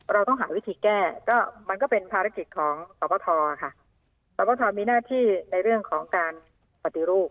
เราต้องหาวิธีแก้ก็มันก็เป็นภารกิจของสปทค่ะสปทมีหน้าที่ในเรื่องของการปฏิรูป